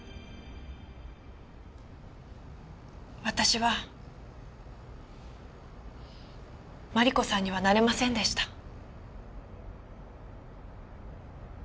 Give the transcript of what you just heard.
私はマリコさんにはなれませんでした。